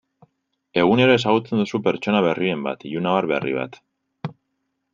Egunero ezagutzen duzu pertsona berriren bat, ilunabar berri bat.